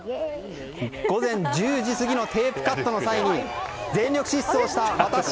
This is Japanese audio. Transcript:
午前１０時過ぎのテープカットの際に全力疾走した私。